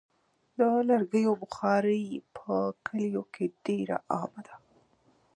د لرګیو بخاري په کلیو کې ډېره عامه ده.